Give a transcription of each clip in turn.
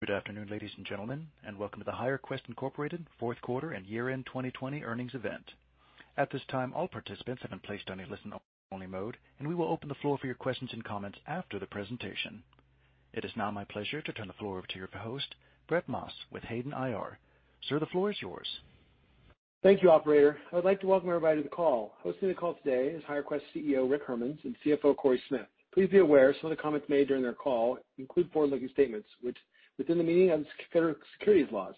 Good afternoon, ladies and gentlemen, and welcome to the HireQuest, Inc. fourth quarter and year-end 2020 earnings event. At this time, all participants have been placed on a listen-only mode, and we will open the floor for your questions and comments after the presentation. It is now my pleasure to turn the floor over to your host, Brett Maas with Hayden IR. Sir, the floor is yours. Thank you, operator. I would like to welcome everybody to the call. Hosting the call today is HireQuest CEO, Rick Hermanns, and CFO, Cory Smith. Please be aware, some of the comments made during their call include forward-looking statements, which within the meaning of federal securities laws.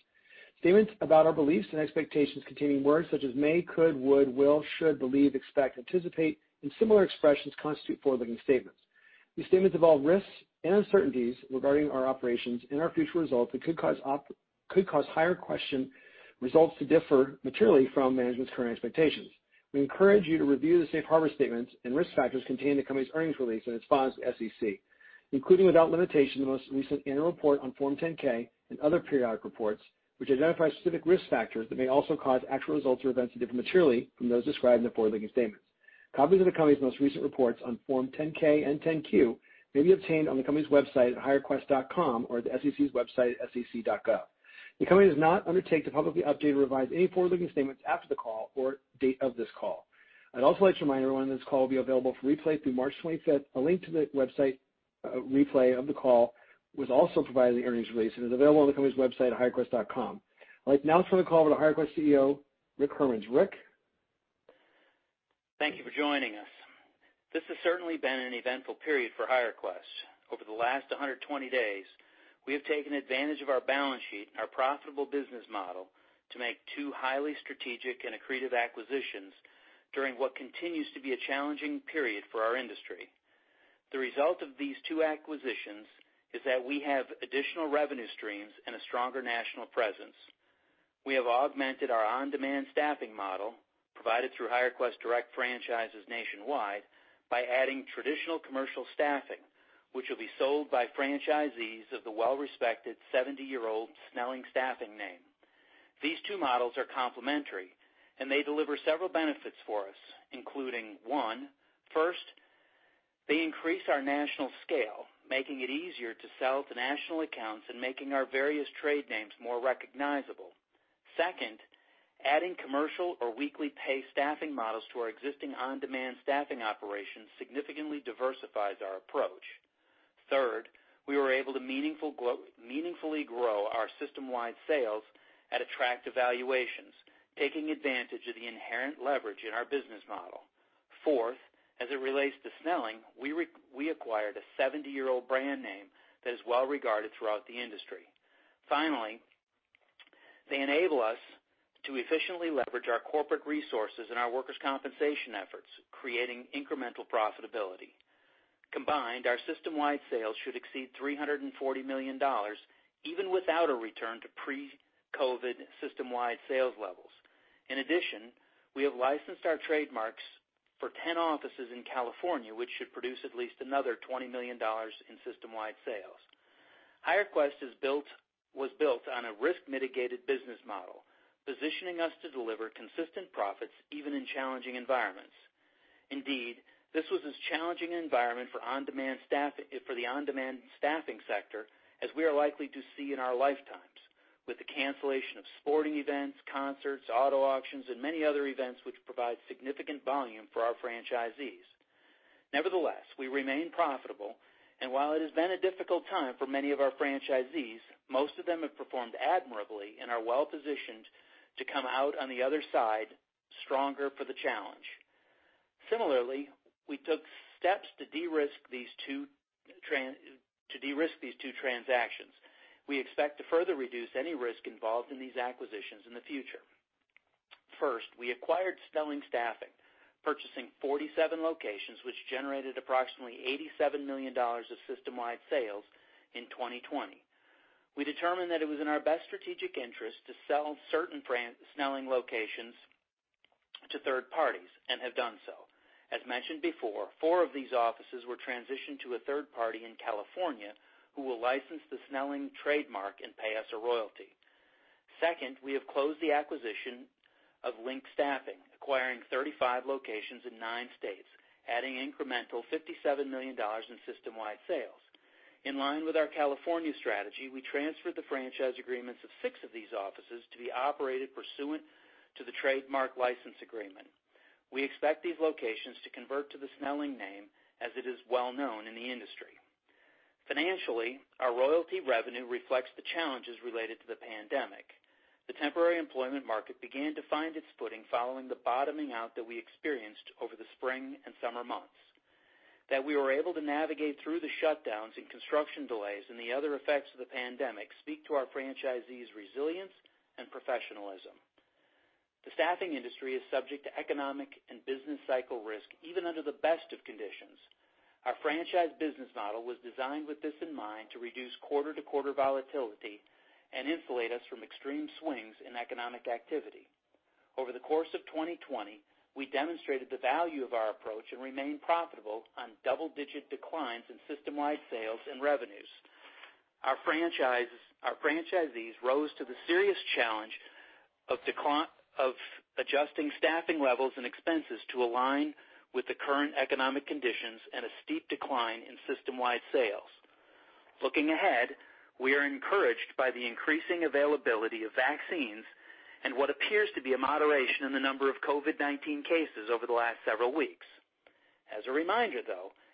Statements about our beliefs and expectations containing words such as may, could, would, will, should, believe, expect, anticipate, and similar expressions constitute forward-looking statements. These statements involve risks and uncertainties regarding our operations and our future results that could cause HireQuest results to differ materially from management's current expectations. We encourage you to review the safe harbor statements and risk factors contained in the company's earnings release and its filed SEC, including without limitation, the most recent annual report on Form 10-K and other periodic reports, which identify specific risk factors that may also cause actual results or events to differ materially from those described in the forward-looking statements. Copies of the company's most recent reports on Form 10-K and 10-Q may be obtained on the company's website at hirequest.com or the SEC's website at sec.gov. The company does not undertake to publicly update or revise any forward-looking statements after the call or date of this call. I'd also like to remind everyone that this call will be available for replay through March 25th. A link to the website replay of the call was also provided in the earnings release and is available on the company's website at hirequest.com. I'd like now to turn the call over to HireQuest CEO, Rick Hermanns. Rick? Thank you for joining us. This has certainly been an eventful period for HireQuest. Over the last 120 days, we have taken advantage of our balance sheet and our profitable business model to make two highly strategic and accretive acquisitions during what continues to be a challenging period for our industry. The result of these two acquisitions is that we have additional revenue streams and a stronger national presence. We have augmented our on-demand staffing model, provided through HireQuest Direct franchises nationwide, by adding traditional commercial staffing, which will be sold by franchisees of the well-respected 70-year-old Snelling Staffing name. These two models are complementary, and they deliver several benefits for us, including, one, first, they increase our national scale, making it easier to sell to national accounts and making our various trade names more recognizable. Second, adding commercial or weekly pay staffing models to our existing on-demand staffing operations significantly diversifies our approach. Third, we were able to meaningfully grow our system-wide sales at attractive valuations, taking advantage of the inherent leverage in our business model. Fourth, as it relates to Snelling, we acquired a 70-year-old brand name that is well-regarded throughout the industry. Finally, they enable us to efficiently leverage our corporate resources and our workers' compensation efforts, creating incremental profitability. Combined, our system-wide sales should exceed $340 million, even without a return to pre-COVID system-wide sales levels. In addition, we have licensed our trademarks for 10 offices in California, which should produce at least another $20 million in system-wide sales. HireQuest was built on a risk-mitigated business model, positioning us to deliver consistent profits even in challenging environments. Indeed, this was as challenging an environment for the on-demand staffing sector as we are likely to see in our lifetimes, with the cancellation of sporting events, concerts, auto auctions, and many other events which provide significant volume for our franchisees. Nevertheless, we remain profitable, and while it has been a difficult time for many of our franchisees, most of them have performed admirably and are well-positioned to come out on the other side stronger for the challenge. Similarly, we took steps to de-risk these two transactions. We expect to further reduce any risk involved in these acquisitions in the future. First, we acquired Snelling Staffing, purchasing 47 locations, which generated approximately $87 million of system-wide sales in 2020. We determined that it was in our best strategic interest to sell certain Snelling locations to third parties and have done so. As mentioned before, four of these offices were transitioned to a third party in California who will license the Snelling trademark and pay us a royalty. Second, we have closed the acquisition of LINK Staffing, acquiring 35 locations in nine states, adding incremental $57 million in system-wide sales. In line with our California strategy, we transferred the franchise agreements of six of these offices to be operated pursuant to the trademark license agreement. We expect these locations to convert to the Snelling name, as it is well-known in the industry. Financially, our royalty revenue reflects the challenges related to the pandemic. The temporary employment market began to find its footing following the bottoming out that we experienced over the spring and summer months. That we were able to navigate through the shutdowns and construction delays and the other effects of the pandemic speak to our franchisees' resilience and professionalism. The staffing industry is subject to economic and business cycle risk, even under the best of conditions. Our franchise business model was designed with this in mind to reduce quarter-to-quarter volatility and insulate us from extreme swings in economic activity. Over the course of 2020, we demonstrated the value of our approach and remained profitable on double-digit declines in system-wide sales and revenues. Our franchisees rose to the serious challenge of adjusting staffing levels and expenses to align with the current economic conditions and a steep decline in system-wide sales. Looking ahead, we are encouraged by the increasing availability of vaccines and what appears to be a moderation in the number of COVID-19 cases over the last several weeks. As a reminder,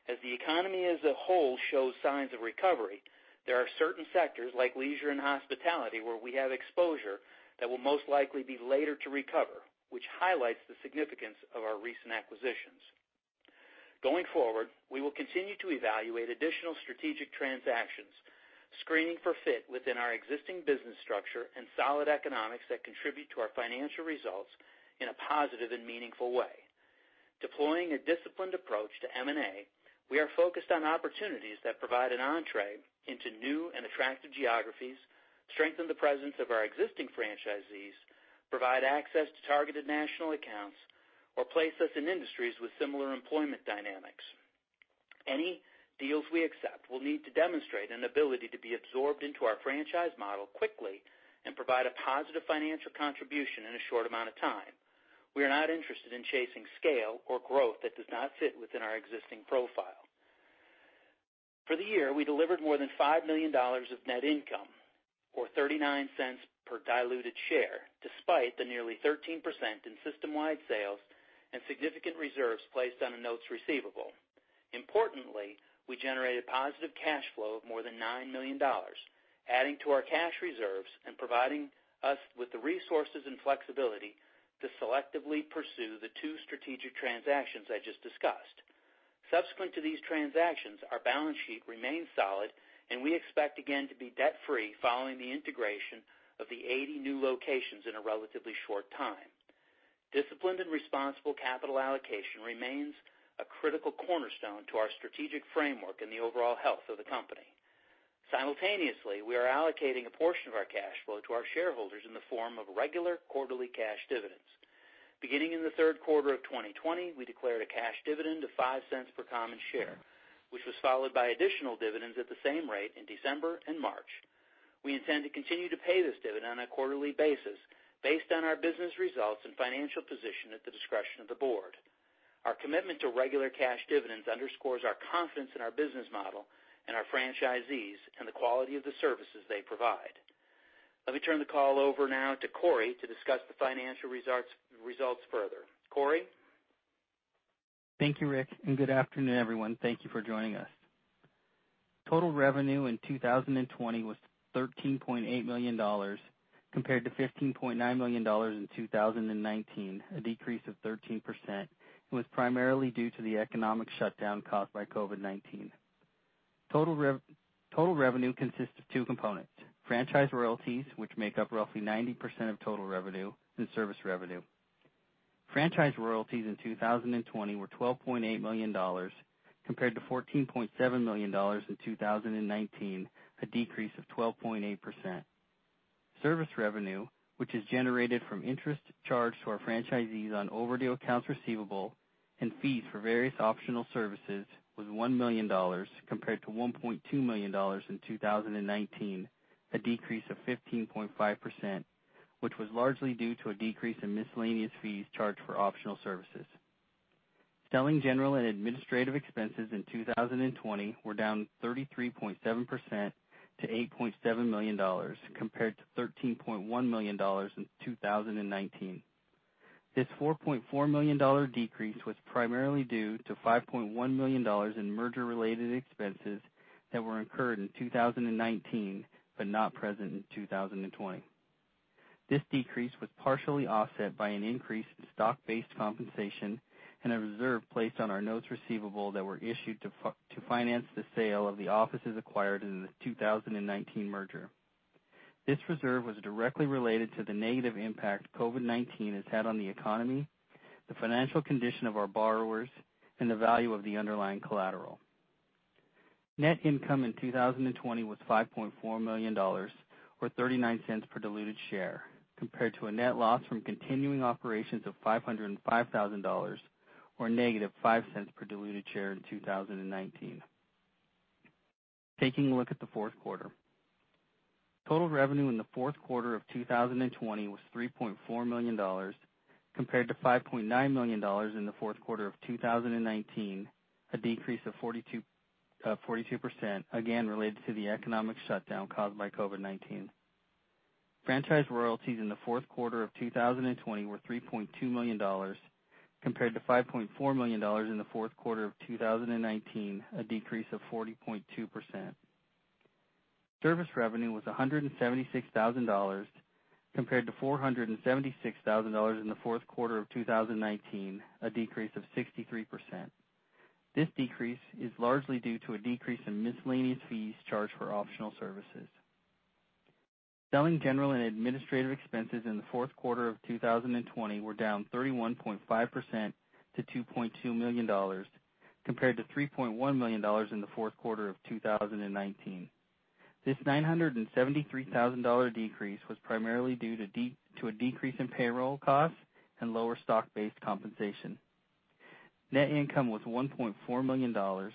as the economy as a whole shows signs of recovery, there are certain sectors like leisure and hospitality, where we have exposure that will most likely be later to recover, which highlights the significance of our recent acquisitions. Going forward, we will continue to evaluate additional strategic transactions, screening for fit within our existing business structure and solid economics that contribute to our financial results in a positive and meaningful way. Deploying a disciplined approach to M&A, we are focused on opportunities that provide an entree into new and attractive geographies, strengthen the presence of our existing franchisees, provide access to targeted national accounts, or place us in industries with similar employment dynamics. Any deals we accept will need to demonstrate an ability to be absorbed into our franchise model quickly and provide a positive financial contribution in a short amount of time. We are not interested in chasing scale or growth that does not fit within our existing profile. For the year, we delivered more than $5 million of net income, or $0.39 per diluted share, despite the nearly 13% in system-wide sales and significant reserves placed on the notes receivable. Importantly, we generated positive cash flow of more than $9 million, adding to our cash reserves and providing us with the resources and flexibility to selectively pursue the two strategic transactions I just discussed. Subsequent to these transactions, our balance sheet remains solid, and we expect again to be debt-free following the integration of the 80 new locations in a relatively short time. Disciplined and responsible capital allocation remains a critical cornerstone to our strategic framework and the overall health of the company. Simultaneously, we are allocating a portion of our cash flow to our shareholders in the form of regular quarterly cash dividends. Beginning in the third quarter of 2020, we declared a cash dividend of $0.05 per common share, which was followed by additional dividends at the same rate in December and March. We intend to continue to pay this dividend on a quarterly basis, based on our business results and financial position at the discretion of the board. Our commitment to regular cash dividends underscores our confidence in our business model and our franchisees and the quality of the services they provide. Let me turn the call over now to Cory to discuss the financial results further. Cory? Thank you, Rick, good afternoon, everyone. Thank you for joining us. Total revenue in 2020 was $13.8 million, compared to $15.9 million in 2019, a decrease of 13%, and was primarily due to the economic shutdown caused by COVID-19. Total revenue consists of two components, franchise royalties, which make up roughly 90% of total revenue, and service revenue. Franchise royalties in 2020 were $12.8 million, compared to $14.7 million in 2019, a decrease of 12.8%. Service revenue, which is generated from interest charged to our franchisees on overdue accounts receivable and fees for various optional services, was $1 million, compared to $1.2 million in 2019, a decrease of 15.5%, which was largely due to a decrease in miscellaneous fees charged for optional services. Selling, General and Administrative expenses in 2020 were down 33.7% to $8.7 million, compared to $13.1 million in 2019. This $4.4 million decrease was primarily due to $5.1 million in merger-related expenses that were incurred in 2019, but not present in 2020. This decrease was partially offset by an increase in stock-based compensation and a reserve placed on our notes receivable that were issued to finance the sale of the offices acquired in the 2019 merger. This reserve was directly related to the negative impact COVID-19 has had on the economy, the financial condition of our borrowers, and the value of the underlying collateral. Net income in 2020 was $5.4 million, or $0.39 per diluted share, compared to a net loss from continuing operations of $505,000, or -$0.05 per diluted share in 2019. Taking a look at the fourth quarter. Total revenue in the fourth quarter of 2020 was $3.4 million, compared to $5.9 million in the fourth quarter of 2019, a decrease of 42%, again related to the economic shutdown caused by COVID-19. Franchise royalties in the fourth quarter of 2020 were $3.2 million, compared to $5.4 million in the fourth quarter of 2019, a decrease of 40.2%. Service revenue was $176,000, compared to $476,000 in the fourth quarter of 2019, a decrease of 63%. This decrease is largely due to a decrease in miscellaneous fees charged for optional services. Selling general and administrative expenses in the fourth quarter of 2020 were down 31.5% to $2.2 million, compared to $3.1 million in the fourth quarter of 2019. This $973,000 decrease was primarily due to a decrease in payroll costs and lower stock-based compensation. Net income was $1.4 million, or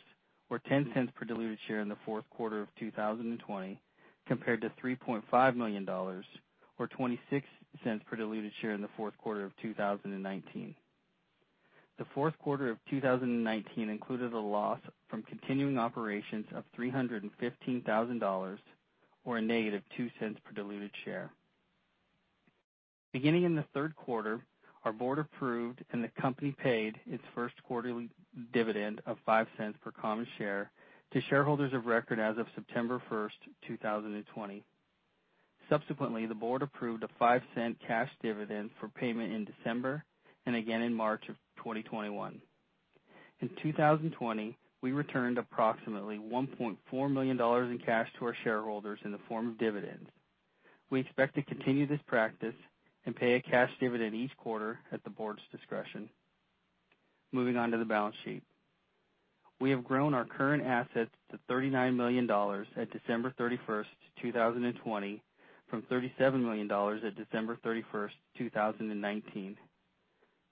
$0.10 per diluted share in the fourth quarter of 2020, compared to $3.5 million or $0.26 per diluted share in the fourth quarter of 2019. The fourth quarter of 2019 included a loss from continuing operations of $315,000, or a -$0.02 per diluted share. Beginning in the third quarter, our board approved and the company paid its first quarterly dividend of $0.05 per common share to shareholders of record as of September 1st, 2020. Subsequently, the board approved a $0.05 cash dividend for payment in December and again in March of 2021. In 2020, we returned approximately $1.4 million in cash to our shareholders in the form of dividends. We expect to continue this practice and pay a cash dividend each quarter at the board's discretion. Moving on to the balance sheet. We have grown our current assets to $39 million at December 31st, 2020, from $37 million at December 31st, 2019.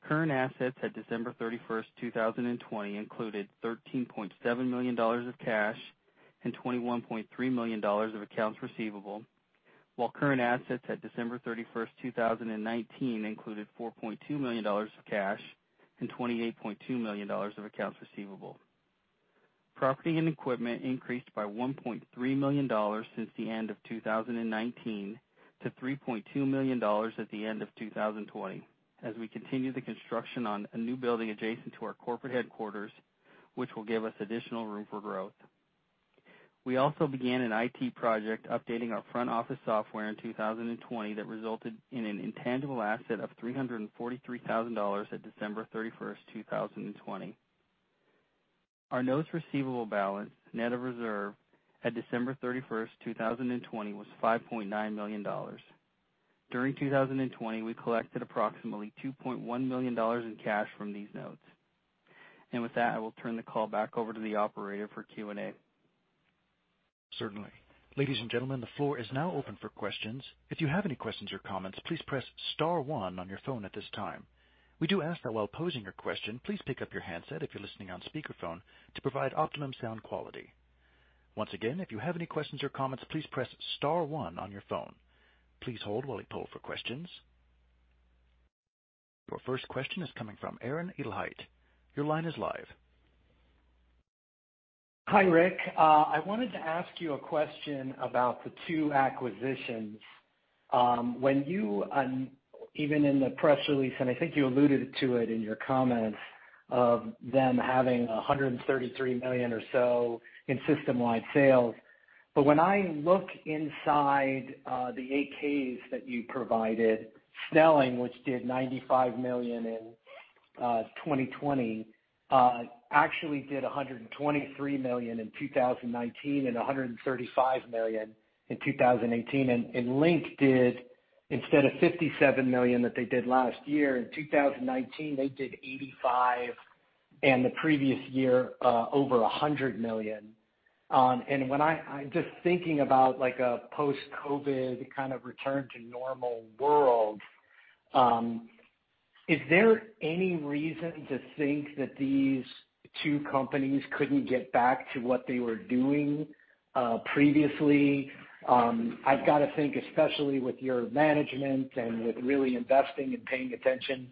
Current assets at December 31st, 2020, included $13.7 million of cash and $21.3 million of accounts receivable, while current assets at December 31st, 2019, included $4.2 million of cash and $28.2 million of accounts receivable. Property and equipment increased by $1.3 million since the end of 2019 to $3.2 million at the end of 2020, as we continue the construction on a new building adjacent to our corporate headquarters, which will give us additional room for growth. We also began an IT project updating our front office software in 2020 that resulted in an intangible asset of $343,000 at December 31st, 2020. Our notes receivable balance net of reserve at December 31st, 2020, was $5.9 million. During 2020, we collected approximately $2.1 million in cash from these notes. With that, I will turn the call back over to the operator for Q&A. Certainly. Ladies and gentlemen, the floor is now open for questions. If you have any questions or comments, please press star one on your phone at this time. We do ask that while posing your question, please pick up your handset if you're listening on speakerphone to provide optimum sound quality. Once again, if you have any questions or comments, please press star one on your phone. Your first question is coming from Aaron Edelheit. Your line is live. Hi, Rick. I wanted to ask you a question about the two acquisitions. Even in the press release, I think you alluded to it in your comments of them having $133 million or so in system-wide sales. When I look inside the 8-Ks that you provided, Snelling, which did $95 million in 2020, actually did $123 million in 2019 and $135 million in 2018. LINK did, instead of $57 million that they did last year, in 2019, they did $85 million, and the previous year, over $100 million. Just thinking about a post-COVID kind of return to normal world, is there any reason to think that these two companies couldn't get back to what they were doing previously? I've got to think, especially with your management and with really investing and paying attention,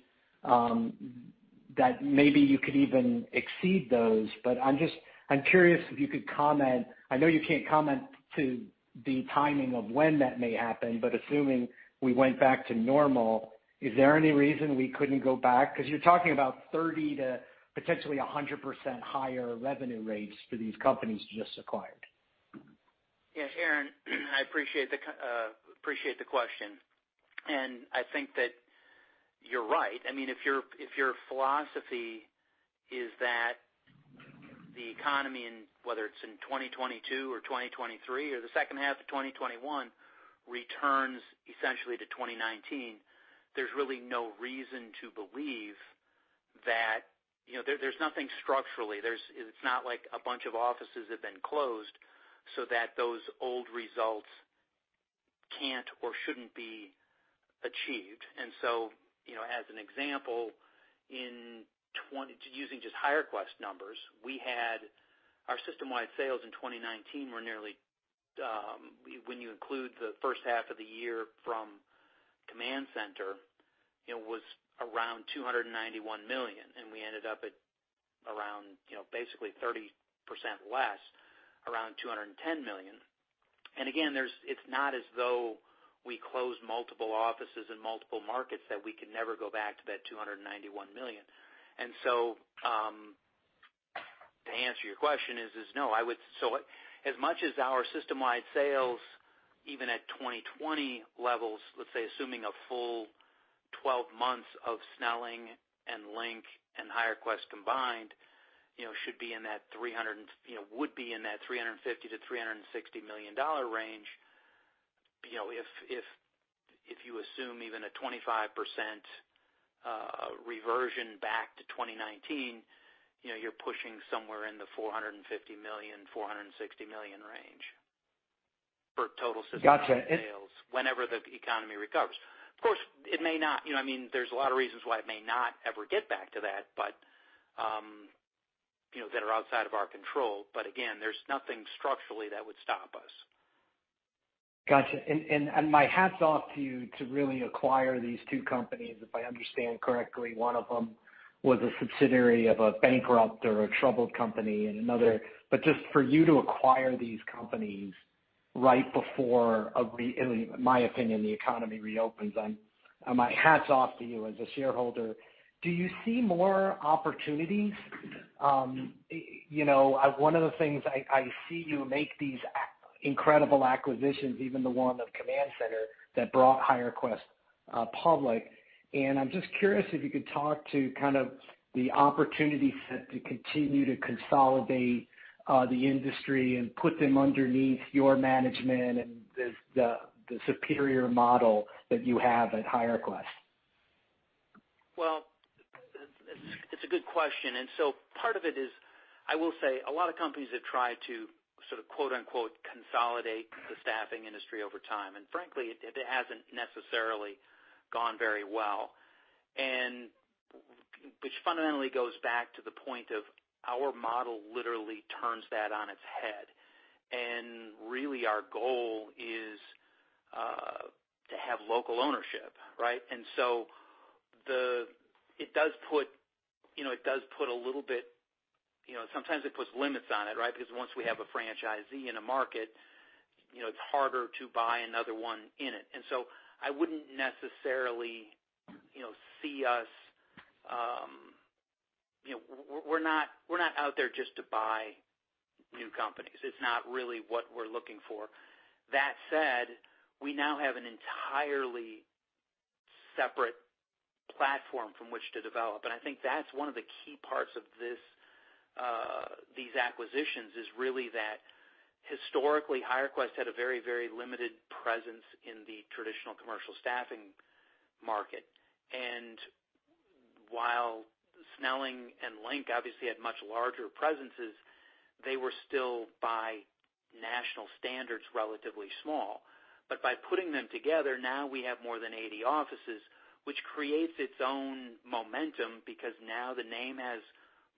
that maybe you could even exceed those. I'm curious if you could comment. I know you can't comment to the timing of when that may happen, but assuming we went back to normal, is there any reason we couldn't go back? You're talking about 30% to potentially 100% higher revenue rates for these companies you just acquired. Yeah, Aaron, I appreciate the question. I think that you're right. If your philosophy is that the economy, whether it's in 2022 or 2023 or the second half of 2021, returns essentially to 2019, there's really no reason to believe that. There's nothing structurally. It's not like a bunch of offices have been closed so that those old results can't or shouldn't be achieved. As an example, using just HireQuest numbers, our system-wide sales in 2019 were nearly, when you include the first half of the year from Command Center, was around $291 million. We ended up at around basically 30% less, around $210 million. Again, it's not as though we closed multiple offices in multiple markets that we could never go back to that $291 million. To answer your question is no. As much as our system-wide sales, even at 2020 levels, let's say assuming a full 12 months of Snelling and LINK and HireQuest combined, would be in that $350 million-$360 million range. If you assume even a 25% reversion back to 2019, you're pushing somewhere in the $450 million-$460 million range. For total system sales- Got you. whenever the economy recovers. Of course, there's a lot of reasons why it may not ever get back to that are outside of our control. Again, there's nothing structurally that would stop us. Got you. My hat's off to you to really acquire these two companies. If I understand correctly, one of them was a subsidiary of a bankrupt or a troubled company. Just for you to acquire these companies right before, in my opinion, the economy reopens, my hat's off to you as a shareholder. Do you see more opportunities? One of the things I see you make these incredible acquisitions, even the one of Command Center that brought HireQuest public. I'm just curious if you could talk to kind of the opportunity set to continue to consolidate the industry and put them underneath your management and the superior model that you have at HireQuest. Well, it's a good question. Part of it is, I will say a lot of companies have tried to sort of quote-unquote, "consolidate" the staffing industry over time, and frankly, it hasn't necessarily gone very well, which fundamentally goes back to the point of our model literally turns that on its head. Really our goal is to have local ownership, right? It does put a little bit Sometimes it puts limits on it, right? Because once we have a franchisee in a market, it's harder to buy another one in it. I wouldn't necessarily see us. We're not out there just to buy new companies. It's not really what we're looking for. That said, we now have an entirely separate platform from which to develop. I think that's one of the key parts of these acquisitions, is really that historically, HireQuest had a very, very limited presence in the traditional commercial staffing market. While Snelling and LINK obviously had much larger presences, they were still, by national standards, relatively small. By putting them together, now we have more than 80 offices, which creates its own momentum because now the name has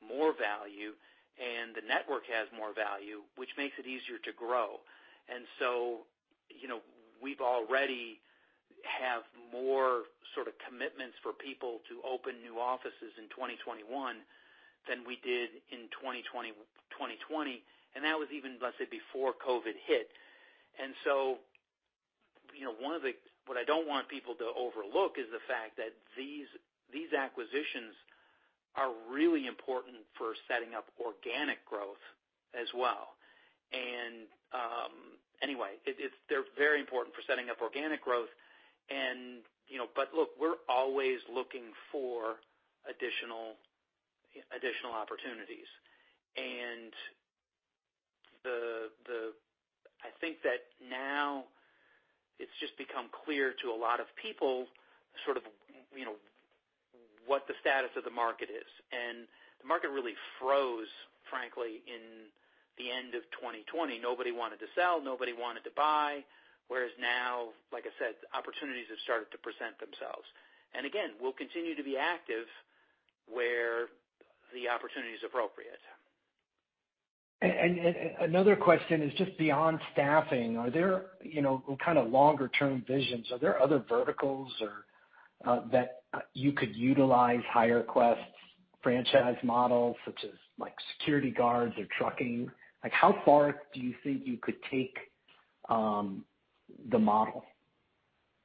more value, and the network has more value, which makes it easier to grow. We've already have more sort of commitments for people to open new offices in 2021 than we did in 2020. That was even, let's say, before COVID hit. What I don't want people to overlook is the fact that these acquisitions are really important for setting up organic growth as well. They're very important for setting up organic growth. Look, we're always looking for additional opportunities. I think that now it's just become clear to a lot of people sort of what the status of the market is. The market really froze, frankly, in the end of 2020. Nobody wanted to sell, nobody wanted to buy. Whereas now, like I said, opportunities have started to present themselves. Again, we'll continue to be active where the opportunity is appropriate. Another question is just beyond staffing, are there kind of longer-term visions? Are there other verticals that you could utilize HireQuest's franchise model, such as like security guards or trucking? Like how far do you think you could take the model?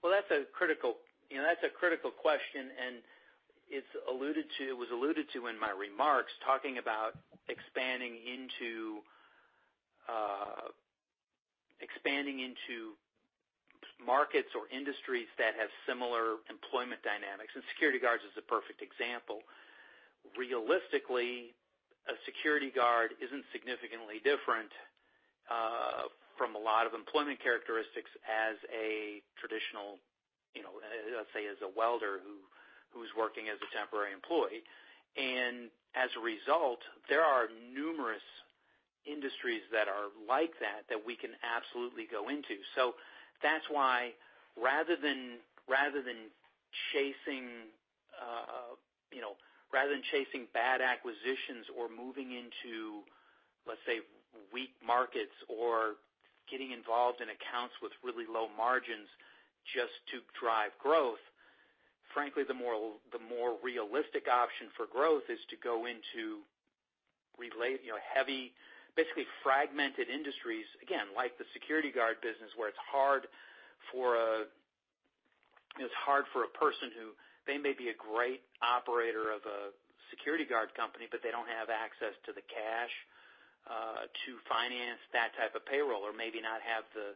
Well, that's a critical question, and it was alluded to in my remarks, talking about expanding into markets or industries that have similar employment dynamics, and security guards is a perfect example. Realistically, a security guard isn't significantly different from a lot of employment characteristics as a traditional, let's say, as a welder who's working as a temporary employee. As a result, there are numerous industries that are like that we can absolutely go into. That's why rather than chasing bad acquisitions or moving into, let's say, weak markets or getting involved in accounts with really low margins just to drive growth, frankly, the more realistic option for growth is to go into heavy, basically fragmented industries. Again, like the security guard business, where it's hard for a person who, they may be a great operator of a security guard company, but they don't have access to the cash to finance that type of payroll, or maybe not have the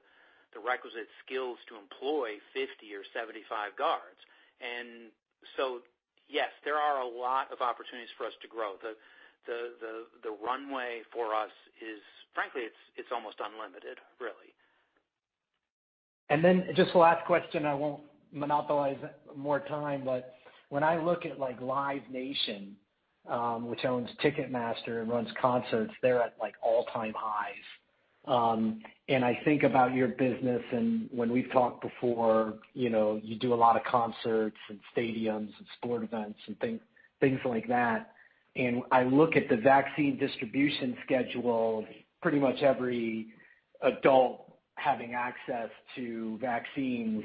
requisite skills to employ 50 or 75 guards. Yes, there are a lot of opportunities for us to grow. The runway for us is, frankly, it's almost unlimited, really. Then just the last question, I won't monopolize more time, but when I look at Live Nation, which owns Ticketmaster and runs concerts, they're at all-time highs. I think about your business, and when we've talked before, you do a lot of concerts and stadiums and sport events and things like that. I look at the vaccine distribution schedule, pretty much every adult having access to vaccines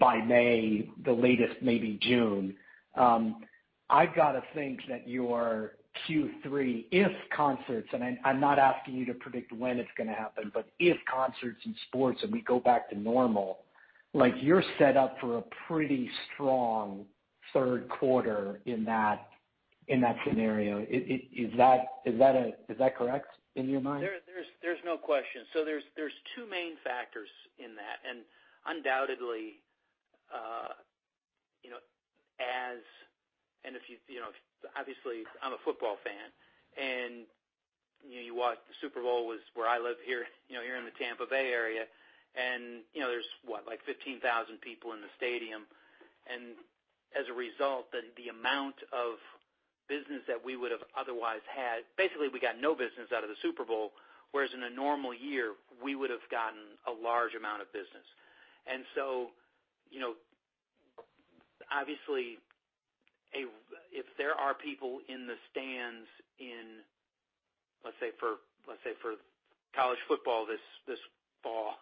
by May, the latest, maybe June. I've got to think that your Q3, if concerts, and I'm not asking you to predict when it's going to happen, but if concerts and sports, and we go back to normal, you're set up for a pretty strong third quarter in that scenario. Is that correct in your mind? There's no question. There's two main factors in that, and undoubtedly, obviously, I'm a football fan, and you watch the Super Bowl where I live here in the Tampa Bay area, and there's what? Like 15,000 people in the stadium. As a result, the amount of business that we would have otherwise had, basically, we got no business out of the Super Bowl, whereas in a normal year, we would have gotten a large amount of business. Obviously, if there are people in the stands in, let's say, for college football this fall,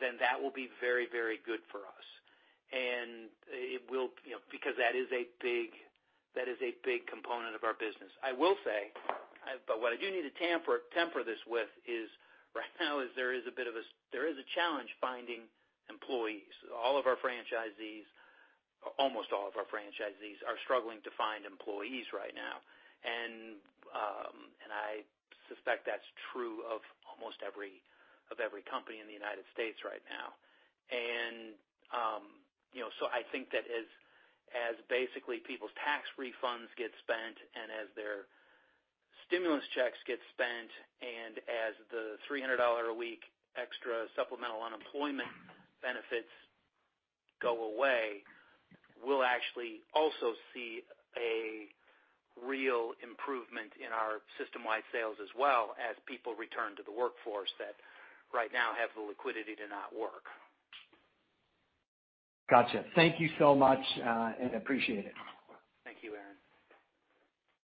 then that will be very good for us. Because that is a big component of our business. I will say, but what I do need to temper this with is right now there is a challenge finding employees. All of our franchisees, almost all of our franchisees are struggling to find employees right now. I suspect that's true of almost every company in the U.S. right now. I think that as basically people's tax refunds get spent and as their stimulus checks get spent, and as the $300 a week extra supplemental unemployment benefits go away, we'll actually also see a real improvement in our system-wide sales as well as people return to the workforce that right now have the liquidity to not work. Got you. Thank you so much, and appreciate it. Thank you, Aaron.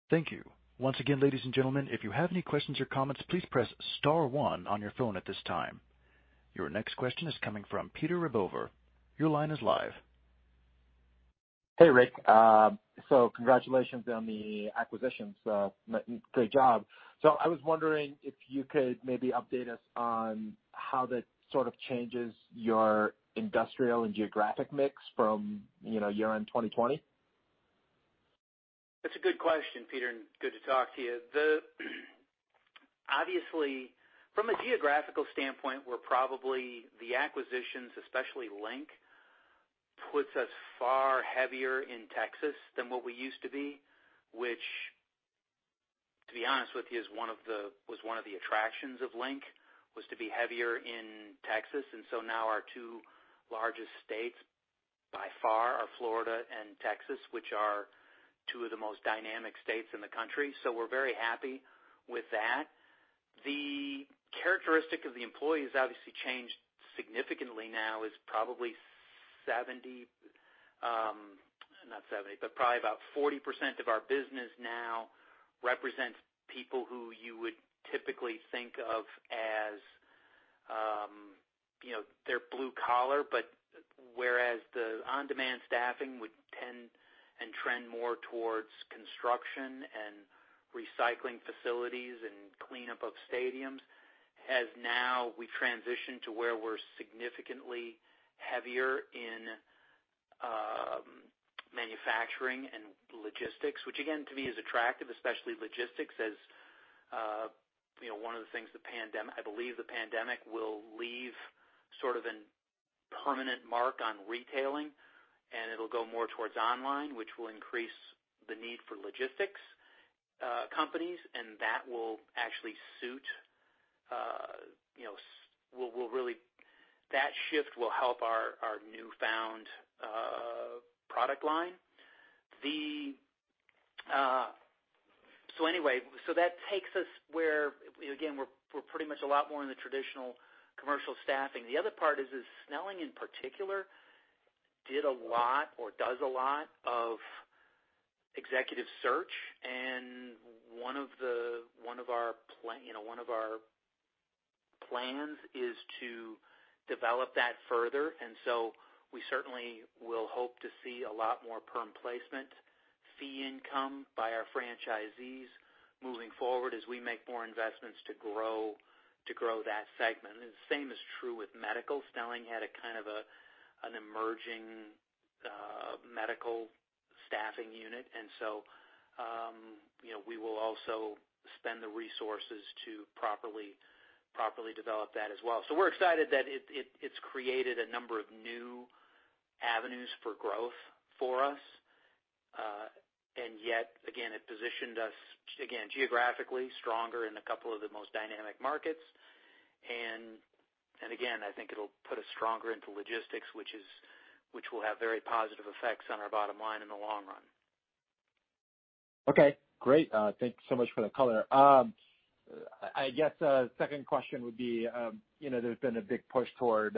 Thank you. Once again, ladies and gentlemen, if you have any questions or comments, please press star one on your phone at this time. Your next question is coming from Peter Rabover. Your line is live. Hey, Rick. Congratulations on the acquisitions. Great job. I was wondering if you could maybe update us on how that sort of changes your industrial and geographic mix from year-end 2020. That's a good question, Peter, and good to talk to you. Obviously, from a geographical standpoint, we're probably the acquisitions, especially LINK, puts us far heavier in Texas than what we used to be, which, to be honest with you, was one of the attractions of LINK, was to be heavier in Texas. Now our two largest states by far are Florida and Texas, which are two of the most dynamic states in the country. We're very happy with that. The characteristic of the employees obviously changed significantly now is probably about 40% of our business now represents people who you would typically think of as they're blue collar, but whereas the on-demand staffing would tend and trend more towards construction and recycling facilities and cleanup of stadiums, has now we've transitioned to where we're significantly heavier in manufacturing and logistics. Which again, to me is attractive, especially logistics, as one of the things I believe the pandemic will leave sort of a permanent mark on retailing, and it'll go more towards online, which will increase the need for logistics companies, and that shift will help our newfound product line. That takes us where, again, we're pretty much a lot more in the traditional commercial staffing. The other part is Snelling in particular, did a lot or does a lot of executive search, and one of our plans is to develop that further. We certainly will hope to see a lot more permanent placement fee income by our franchisees moving forward as we make more investments to grow that segment. The same is true with medical. Snelling had a kind of an emerging medical staffing unit. We will also spend the resources to properly develop that as well. We're excited that it's created a number of new avenues for growth for us. Yet, again, it positioned us geographically stronger in a couple of the most dynamic markets. Again, I think it'll put us stronger into logistics, which will have very positive effects on our bottom line in the long run. Okay, great. Thanks so much for the color. I guess a second question would be, there's been a big push toward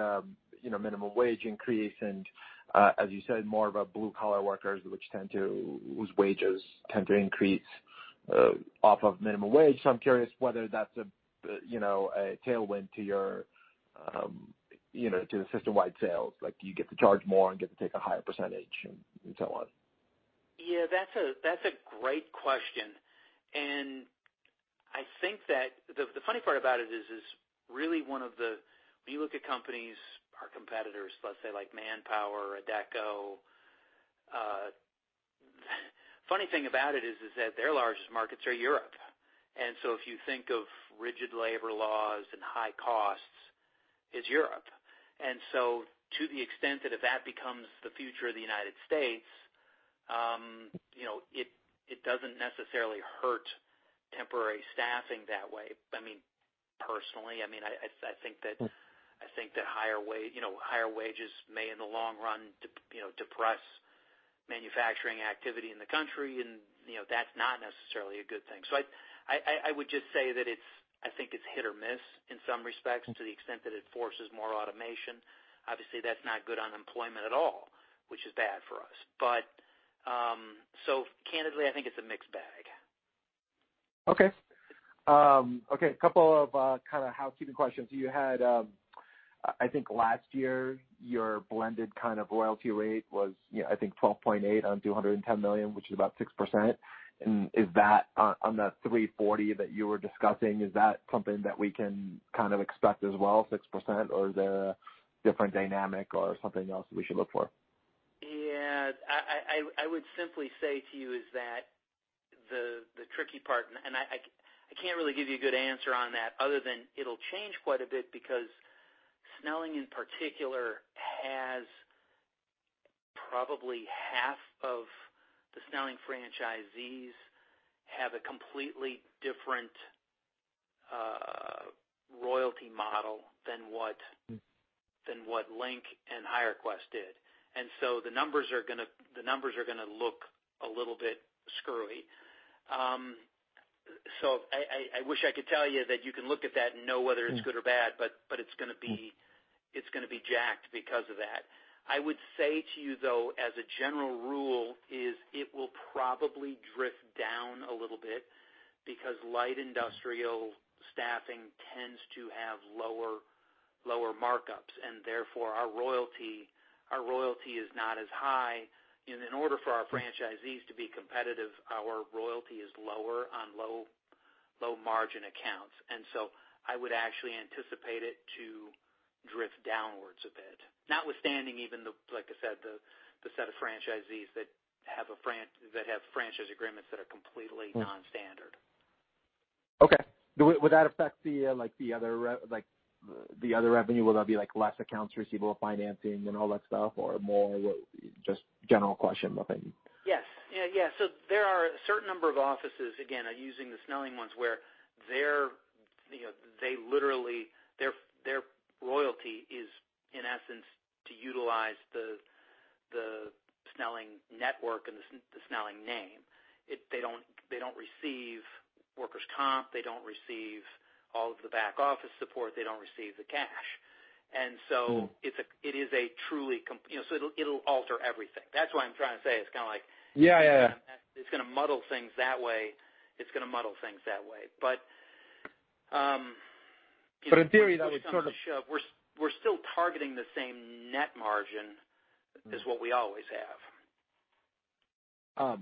minimum wage increase and, as you said, more of our blue-collar workers, whose wages tend to increase off of minimum wage. I'm curious whether that's a tailwind to your system-wide sales. Do you get to charge more and get to take a higher percentage, and so on? Yeah, that's a great question. I think that the funny part about it is, when you look at companies, our competitors, let's say like Manpower, Adecco, the funny thing about it is that their largest markets are Europe. If you think of rigid labor laws and high costs, it's Europe. To the extent that if that becomes the future of the United States, it doesn't necessarily hurt temporary staffing that way. Personally, I think that higher wages may, in the long run, depress manufacturing activity in the country, and that's not necessarily a good thing. I would just say that I think it's hit or miss in some respects to the extent that it forces more automation. Obviously, that's not good unemployment at all, which is bad for us. Candidly, I think it's a mixed bag. Okay. A couple of kind of housekeeping questions. You had, I think last year, your blended kind of royalty rate was I think 12.8 on $210 million, which is about 6%. On that $340 that you were discussing, is that something that we can kind of expect as well, 6%? Is there a different dynamic or something else that we should look for? Yeah. I would simply say to you is that the tricky part, I can't really give you a good answer on that other than it'll change quite a bit because Snelling in particular, has probably half of the Snelling franchisees have a completely different royalty model than what Link and HireQuest did. The numbers are going to look a little bit screwy. I wish I could tell you that you can look at that and know whether it's good or bad, it's going to be jacked because of that. I would say to you, though, as a general rule, is it will probably drift down a little bit because light industrial staffing tends to have lower markups, and therefore our royalty is not as high. In order for our franchisees to be competitive, our royalty is lower on low-margin accounts. I would actually anticipate it to drift downwards a bit, notwithstanding even, like I said, the set of franchisees that have franchise agreements that are completely non-standard. Okay. Would that affect the other revenue? Will there be less accounts receivable financing and all that stuff, or more? Just a general question. Yes. There are a certain number of offices, again, I'm using the Snelling ones, where their royalty is, in essence, to utilize the Snelling network and the Snelling name. They don't receive workers' compensation, they don't receive all of the back office support, they don't receive the cash. It'll alter everything. That's what I'm trying to say. Yeah it's going to muddle things that way. In theory, that would sort of. We're still targeting the same net margin as what we always have.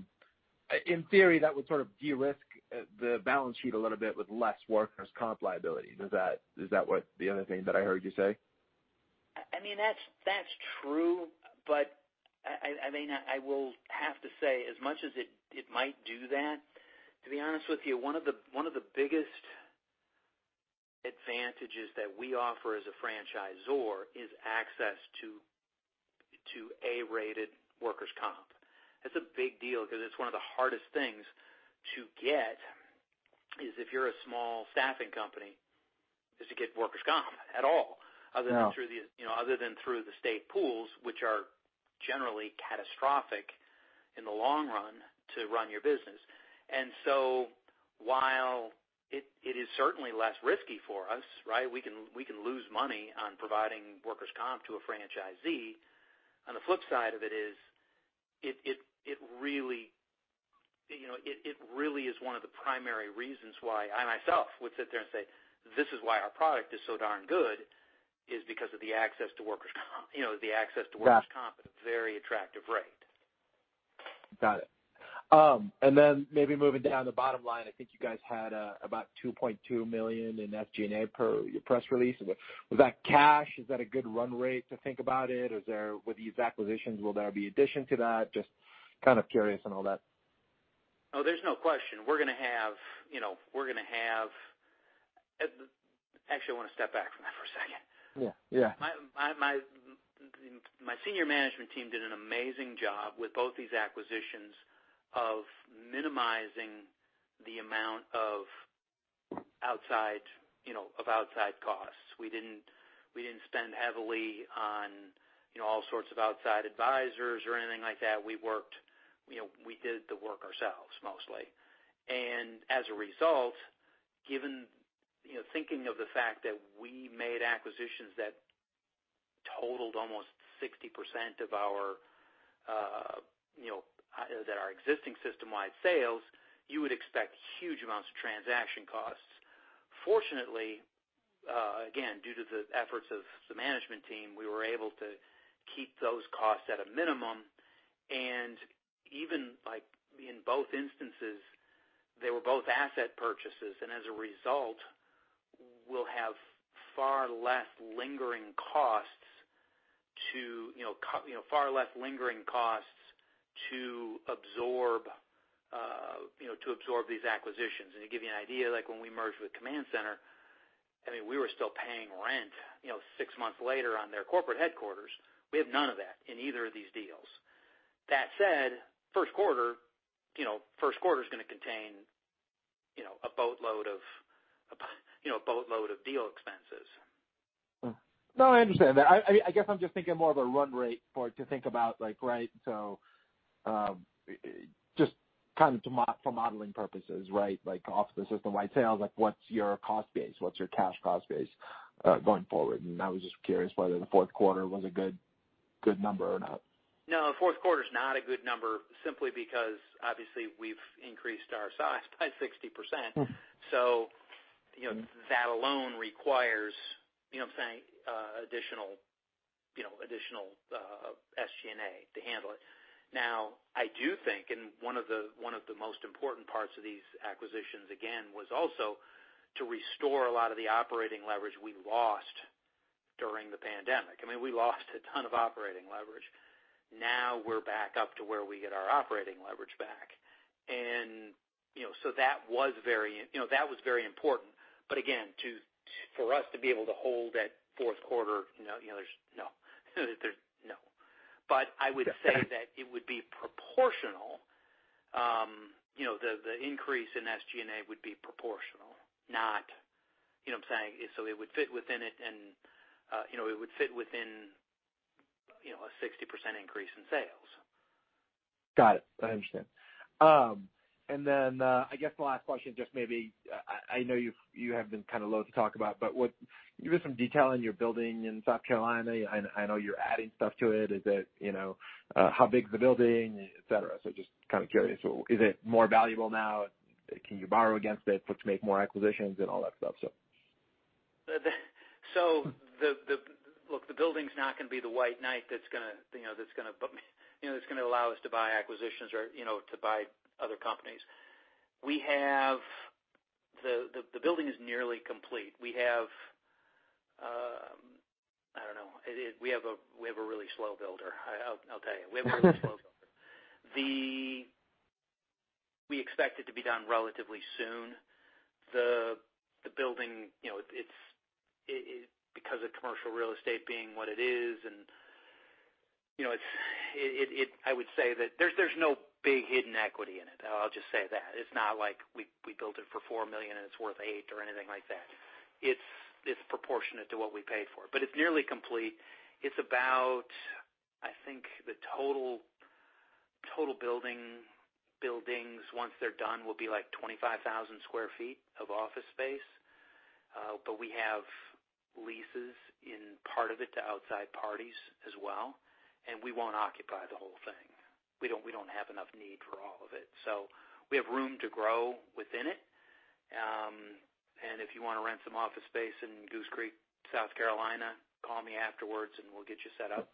In theory, that would sort of de-risk the balance sheet a little bit with less workers' compensation liability. Is that the other thing that I heard you say? That's true, I will have to say, as much as it might do that, to be honest with you, one of the biggest advantages that we offer as a franchisor is access to A-rated workers' compensation. That's a big deal because it's one of the hardest things to get, is if you're a small staffing company, is to get workers' compensation at all. Yeah other than through the state pools, which are generally catastrophic in the long run to run your business. While it is certainly less risky for us, we can lose money on providing workers' compensation to a franchisee. On the flip side of it is, it really is one of the primary reasons why I myself would sit there and say, "This is why our product is so darn good," is because of the access to workers' compensation at a very attractive rate. Got it. Maybe moving down the bottom line, I think you guys had about $2.2 million in SG&A per your press release. Was that cash? Is that a good run rate to think about it? With these acquisitions, will there be addition to that? Just kind of curious on all that. Oh, there's no question. Actually, I want to step back from that for a second. Yeah. My senior management team did an amazing job with both these acquisitions of minimizing the amount of outside costs. We didn't spend heavily on all sorts of outside advisors or anything like that. We did the work ourselves mostly. As a result, thinking of the fact that we made acquisitions that totaled almost 60% of our existing system-wide sales, you would expect huge amounts of transaction costs. Fortunately, again, due to the efforts of the management team, we were able to keep those costs at a minimum. Even in both instances, they were both asset purchases, and as a result, we'll have far less lingering costs to absorb these acquisitions. To give you an idea, when we merged with Command Center, we were still paying rent six months later on their corporate headquarters. We have none of that in either of these deals. That said, first quarter is going to contain a boatload of deal expenses. No, I understand that. I guess I'm just thinking more of a run rate for it to think about. Just kind of for modeling purposes. Like off the system-wide sales, what's your cost base? What's your cash cost base going forward? I was just curious whether the fourth quarter was a good number or not. No, fourth quarter's not a good number simply because obviously we've increased our size by 60%. That alone requires additional SG&A to handle it. I do think, and one of the most important parts of these acquisitions, again, was also to restore a lot of the operating leverage we lost during the pandemic. We lost a ton of operating leverage. We're back up to where we get our operating leverage back. That was very important, but again, for us to be able to hold that fourth quarter, I would say that it would be proportional. The increase in SG&A would be proportional, you know what I'm saying? It would fit within a 60% increase in sales. Got it. I understand. I guess the last question, just maybe, I know you have been kind of loath to talk about, but give us some detail on your building in South Carolina. I know you're adding stuff to it. How big is the building, et cetera? Just kind of curious, is it more valuable now? Can you borrow against it to make more acquisitions and all that stuff? Look, the building's not going to be the white knight that's going to allow us to buy acquisitions or to buy other companies. The building is nearly complete. I don't know. We have a really slow builder, I'll tell you. We have a really slow builder. We expect it to be done relatively soon. The building, because of commercial real estate being what it is, and I would say that there's no big hidden equity in it. I'll just say that. It's not like we built it for $4 million and it's worth $8 million or anything like that. It's proportionate to what we paid for. It's nearly complete. It's about, I think, the total buildings, once they're done, will be like 25,000 square feet of office space. We have leases in part of it to outside parties as well, and we won't occupy the whole thing. We don't have enough need for all of it. We have room to grow within it. If you want to rent some office space in Goose Creek, South Carolina, call me afterwards and we'll get you set up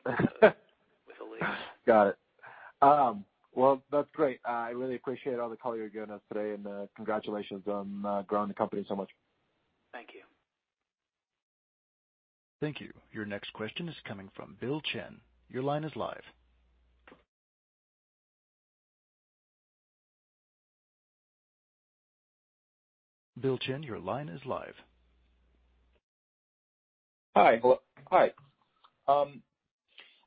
with a lease. Got it. Well, that's great. I really appreciate all the color you're giving us today, and congratulations on growing the company so much. Thank you. Thank you. Your next question is coming from Bill Chen. Your line is live. Bill Chen, your line is live. Hi.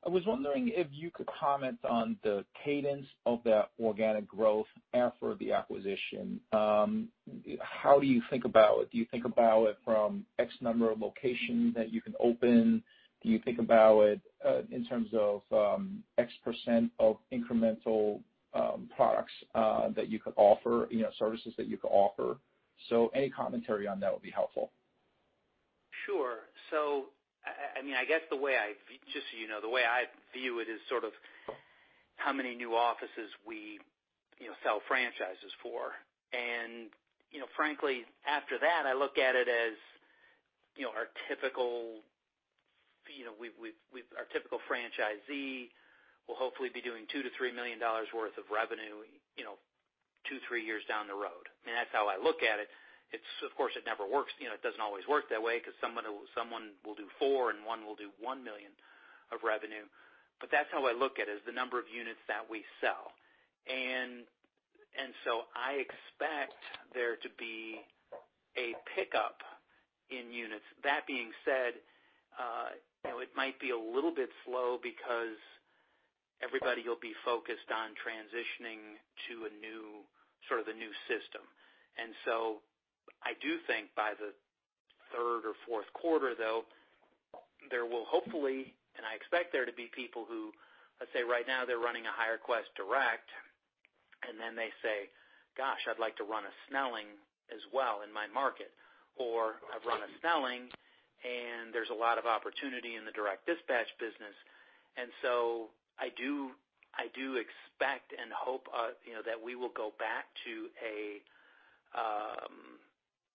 I was wondering if you could comment on the cadence of that organic growth after the acquisition. How do you think about it? Do you think about it from X number of locations that you can open? Do you think about it in terms of X% of incremental products that you could offer, services that you could offer? Any commentary on that would be helpful. Sure. I guess just so you know, the way I view it is sort of how many new offices we sell franchises for. Frankly, after that, I look at it as our typical franchisee will hopefully be doing $2 million-$3 million worth of revenue two, three years down the road. That's how I look at it. Of course, it doesn't always work that way because someone will do four and one will do $1 million of revenue. That's how I look at it, is the number of units that we sell. I expect there to be a pickup in units. That being said, it might be a little bit slow because everybody will be focused on transitioning to the new system. I do think by the third or fourth quarter, though, there will hopefully, and I expect there to be people who, let's say, right now they're running a HireQuest Direct, and then they say, "Gosh, I'd like to run a Snelling as well in my market." "I run a Snelling, and there's a lot of opportunity in the direct dispatch business."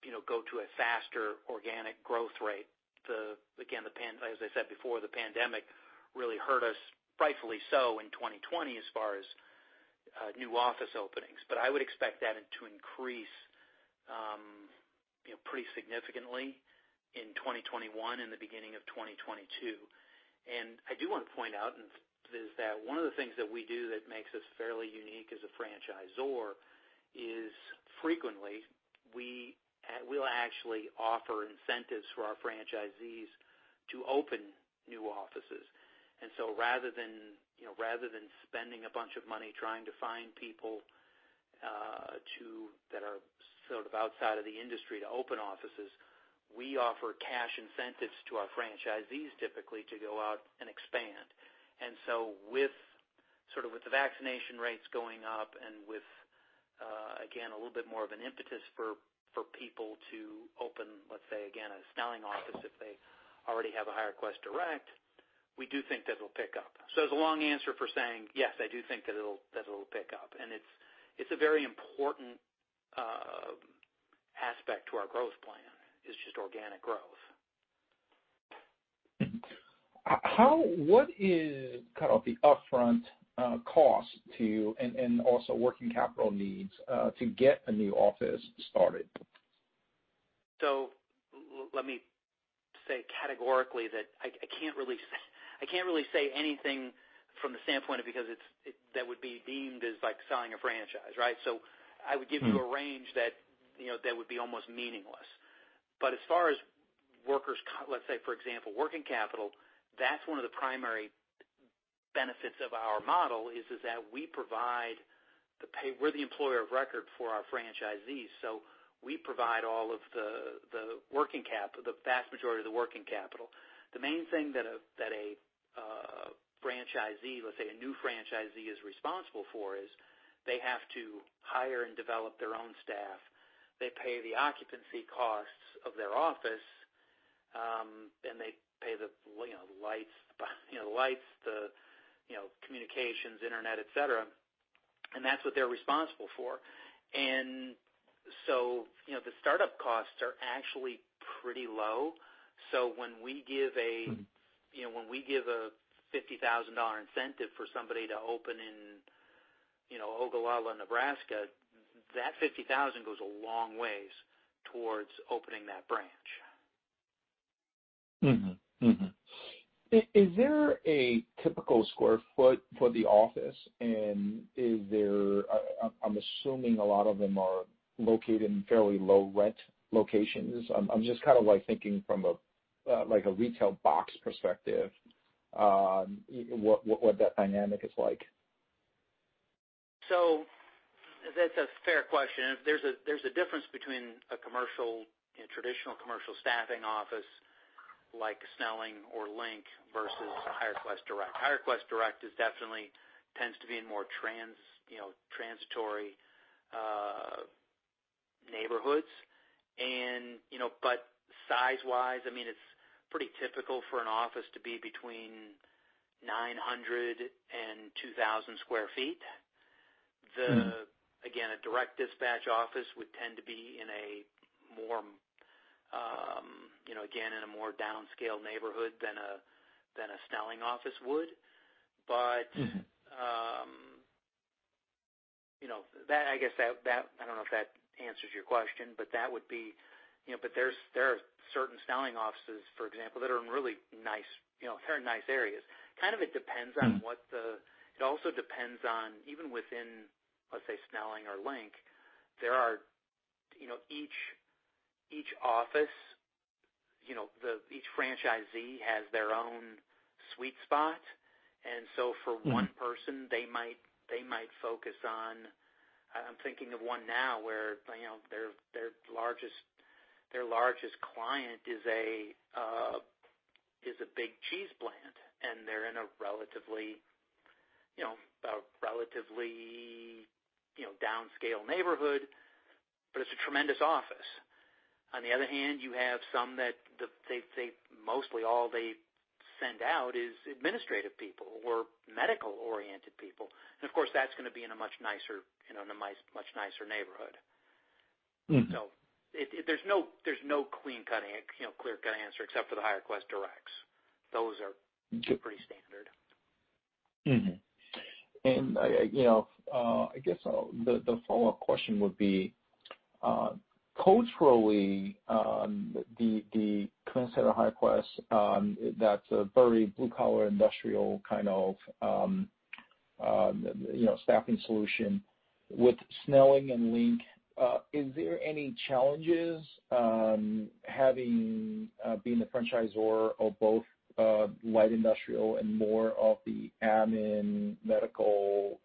I do expect and hope that we will go back to a faster organic growth rate. As I said before, the pandemic really hurt us, frightfully so, in 2020 as far as new office openings. I would expect that to increase pretty significantly in 2021 and the beginning of 2022. I do want to point out is that one of the things that we do that makes us fairly unique as a franchisor is frequently, we'll actually offer incentives for our franchisees to open new offices. Rather than spending a bunch of money trying to find people that are sort of outside of the industry to open offices, we offer cash incentives to our franchisees typically to go out and expand. With the vaccination rates going up and with, again, a little bit more of an impetus for people to open, let's say, again, a Snelling office if they already have a HireQuest Direct, we do think that'll pick up. It's a long answer for saying, yes, I do think that it'll pick up. It's a very important aspect to our growth plan, is just organic growth. What is kind of the upfront cost to you and also working capital needs to get a new office started? Let me say categorically that I can't really say anything from the standpoint of because that would be deemed as like selling a franchise, right? I would give you a range that would be almost meaningless. As far as, let's say, for example, working capital, that's one of the primary benefits of our model, is that we provide the pay. We're the employer of record for our franchisees, so we provide the vast majority of the working capital. The main thing that a franchisee, let's say a new franchisee, is responsible for is they have to hire and develop their own staff. They pay the occupancy costs of their office, and they pay the lights, the communications, internet, et cetera, and that's what they're responsible for. The startup costs are actually pretty low. When we give a $50,000 incentive for somebody to open in Ogallala, Nebraska, that $50,000 goes a long ways towards opening that branch. Mm-hmm. Is there a typical square foot for the office? I'm assuming a lot of them are located in fairly low rent locations. I'm just kind of thinking from a retail box perspective, what that dynamic is like. That's a fair question. There's a difference between a traditional commercial staffing office like Snelling or LINK versus HireQuest Direct. HireQuest Direct definitely tends to be in more transitory neighborhoods. Size-wise, it's pretty typical for an office to be between 900 and 2,000 sq ft. Again, a direct dispatch office would tend to be, again, in a more downscale neighborhood than a Snelling office would. Mm-hmm. I don't know if that answers your question, but there are certain Snelling offices, for example, that are in really nice areas. It also depends on, even within, let's say, Snelling or LINK, each office, each franchisee has their own sweet spot. For one person, they might focus on I'm thinking of one now where their largest client is a big cheese plant, and they're in a relatively downscale neighborhood, but it's a tremendous office. On the other hand, you have some that mostly all they send out is administrative people or medical-oriented people. Of course, that's going to be in a much nicer neighborhood. Mm-hmm. There's no clear-cut answer, except for the HireQuest Directs. Pretty standard. Mm-hmm. I guess the follow-up question would be, culturally, the Command Center HireQuest, that's a very blue-collar industrial kind of staffing solution. With Snelling and LINK, is there any challenges being the franchisor of both light industrial and more of the admin medical?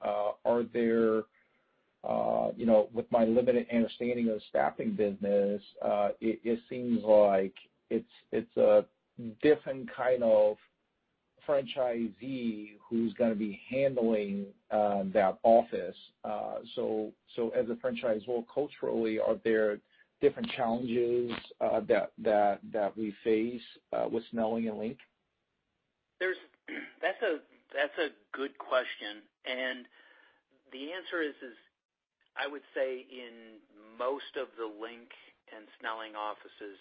With my limited understanding of the staffing business, it seems like it's a different kind of franchisee who's going to be handling that office. As a franchisor, culturally, are there different challenges that we face with Snelling and LINK? That's a good question. The answer is, I would say in most of the LINK and Snelling offices,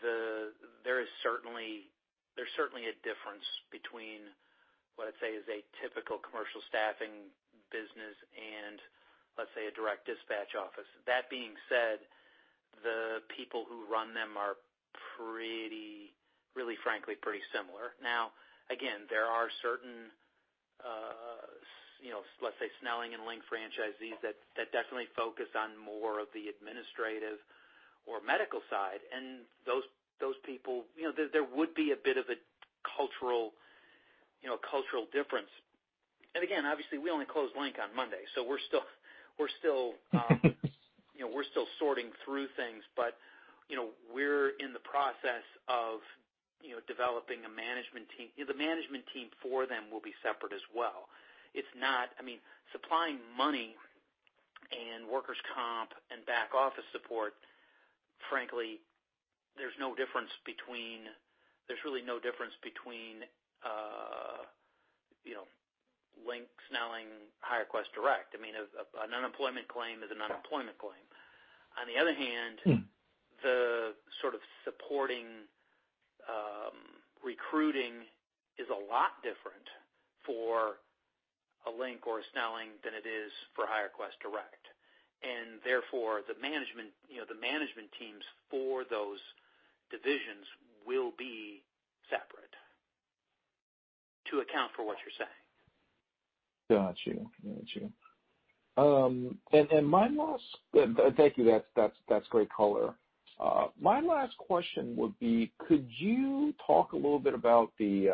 there's certainly a difference between, let's say, is a typical commercial staffing business and, let's say, a direct dispatch office. That being said, the people who run them are really frankly pretty similar. Again, there are certain, let's say, Snelling and LINK franchisees that definitely focus on more of the administrative or medical side. Those people, there would be a bit of a cultural difference. Again, obviously, we only closed LINK on Monday, so we're sorting through things. We're in the process of developing a management team. The management team for them will be separate as well. Supplying money and workers' compensation and back office support, frankly, there's really no difference between LINK, Snelling, HireQuest Direct. An unemployment claim is an unemployment claim. On the other hand. Mm-hmm. the sort of supporting recruiting is a lot different for a LINK or a Snelling than it is for HireQuest Direct, and therefore, the management teams for those divisions will be separate to account for what you're saying. Got you. Thank you. That's great color. My last question would be, could you talk a little bit about the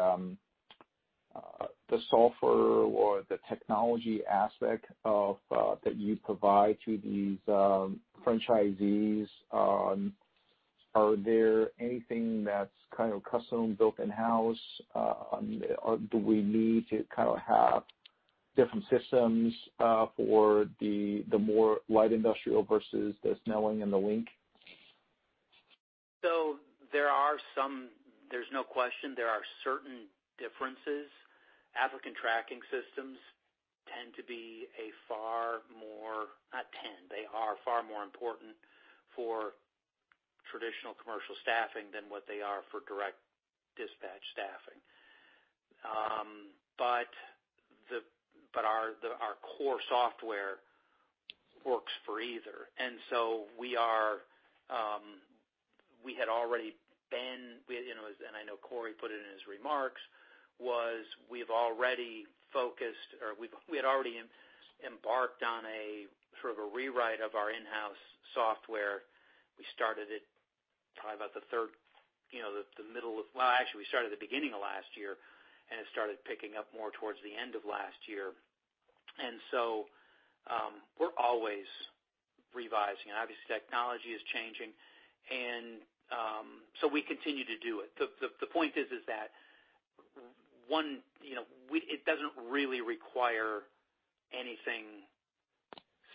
software or the technology aspect that you provide to these franchisees? Are there anything that's kind of custom-built in-house? Do we need to have different systems for the more light industrial versus the Snelling and the LINK? There's no question there are certain differences. Applicant tracking systems, not tend, they are far more important for traditional commercial staffing than what they are for direct dispatch staffing. Our core software works for either. I know Cory put it in his remarks, we had already embarked on a sort of a rewrite of our in-house software. We started it Well, actually, at the beginning of last year, and it started picking up more towards the end of last year. We're always revising, and obviously technology is changing, we continue to do it. The point is that it doesn't really require anything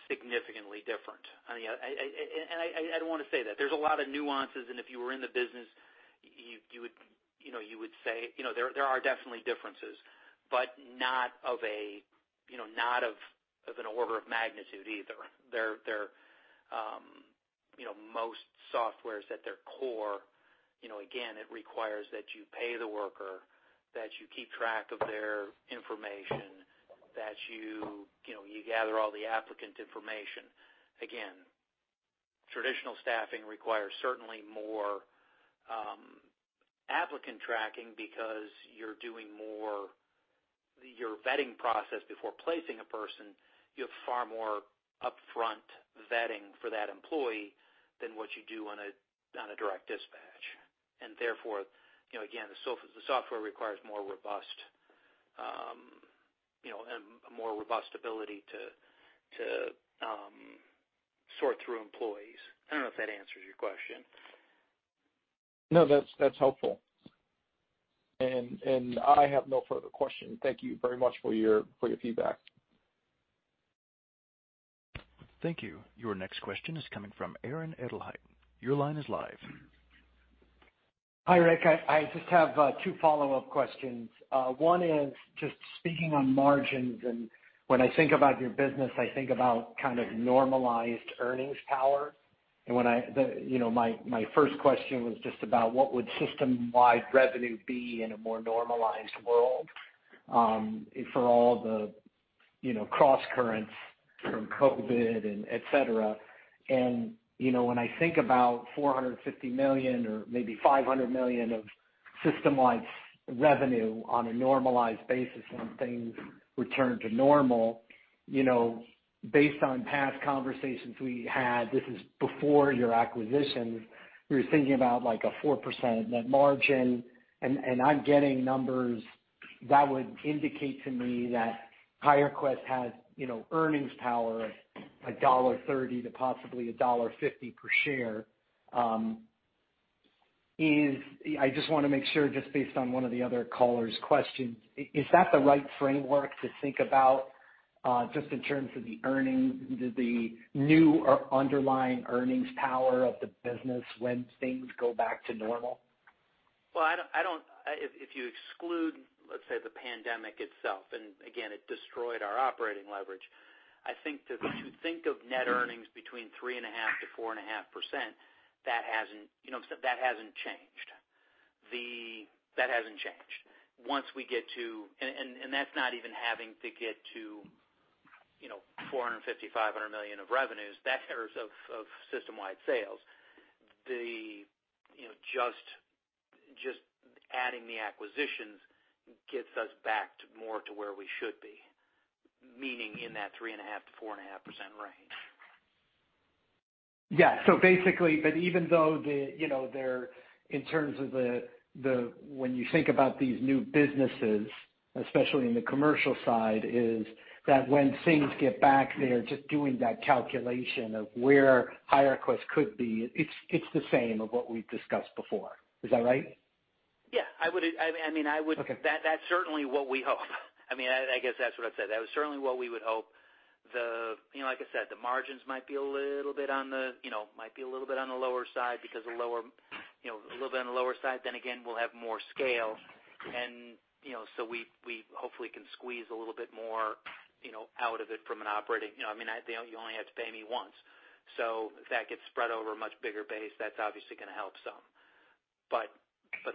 significantly different. I don't want to say that. There's a lot of nuances, and if you were in the business, you would say there are definitely differences, but not of an order of magnitude either. Most softwares at their core, again, it requires that you pay the worker, that you keep track of their information, that you gather all the applicant information. Traditional staffing requires certainly more applicant tracking because you're doing more. Your vetting process before placing a person, you have far more upfront vetting for that employee than what you do on a direct dispatch. Therefore, again, the software requires a more robust ability to sort through employees. I don't know if that answers your question. No, that's helpful. I have no further questions. Thank you very much for your feedback. Thank you. Your next question is coming from Aaron Edelheit. Your line is live. Hi, Rick. I just have two follow-up questions. One is just speaking on margins, and when I think about your business, I think about kind of normalized earnings power. My first question was just about what would system-wide revenue be in a more normalized world for all the cross-currents from COVID and et cetera. When I think about $450 million or maybe $500 million of system-wide revenue on a normalized basis when things return to normal, based on past conversations we had, this is before your acquisitions, we were thinking about a 4% net margin. I'm getting numbers that would indicate to me that HireQuest has earnings power of $1.30 to possibly $1.50 per share. I just want to make sure, just based on one of the other caller's questions, is that the right framework to think about just in terms of the new underlying earnings power of the business when things go back to normal? Well, if you exclude, let's say, the pandemic itself, and again, it destroyed our operating leverage. I think to think of net earnings between 3.5%-4.5%, that hasn't changed. That hasn't changed. That's not even having to get to $450 million, $500 million of revenues, that or of system-wide sales. Just adding the acquisitions gets us back more to where we should be, meaning in that 3.5%-4.5% range. Yeah. Basically, but even though in terms of when you think about these new businesses, especially in the commercial side, is that when things get back there, just doing that calculation of where HireQuest could be, it's the same of what we've discussed before. Is that right? Yeah. Okay. That's certainly what we hope. I guess that's what I'd say. That was certainly what we would hope. Like I said, the margins might be a little bit on the lower side because a little bit on the lower side, then again, we'll have more scale. We hopefully can squeeze a little bit more out of it from an operating, you only have to pay me once. That gets spread over a much bigger base, that's obviously going to help some.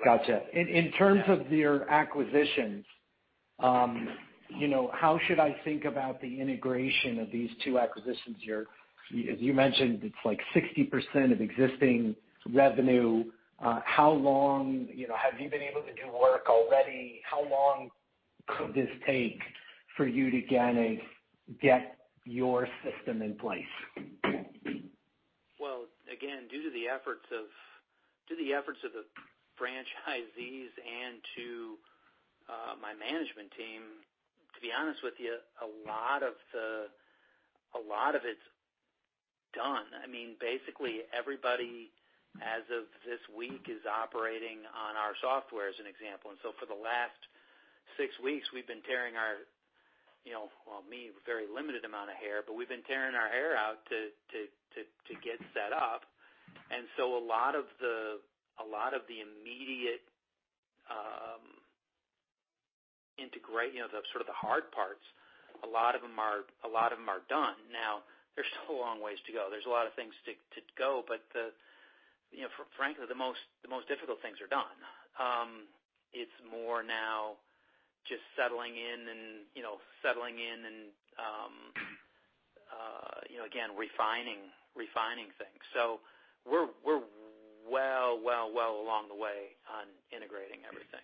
Gotcha. In terms of your acquisitions, how should I think about the integration of these two acquisitions? You mentioned it's like 60% of existing revenue. Have you been able to do work already? How long could this take for you to get your system in place? Again, due to the efforts of the franchisees and to my management team, to be honest with you, a lot of it's done. Basically everybody, as of this week, is operating on our software, as an example. For the last six weeks, we've been tearing our, well, me, very limited amount of hair, but we've been tearing our hair out to get set up. A lot of the immediate integrate, the sort of the hard parts, a lot of them are done. There's still a long ways to go. There's a lot of things to go. Frankly, the most difficult things are done. It's more now just settling in and again, refining things. We're well along the way on integrating everything.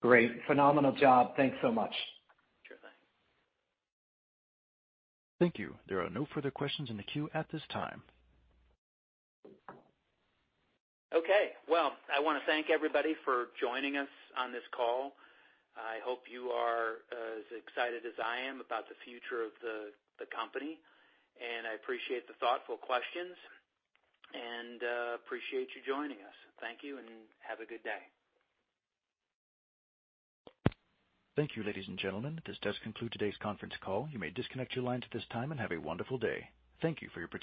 Great. Phenomenal job. Thanks so much. Sure thing. Thank you. There are no further questions in the queue at this time. Okay. Well, I want to thank everybody for joining us on this call. I hope you are as excited as I am about the future of the company, and I appreciate the thoughtful questions and appreciate you joining us. Thank you and have a good day. Thank you, ladies and gentlemen. This does conclude today's conference call. You may disconnect your lines at this time and have a wonderful day. Thank you for your participation.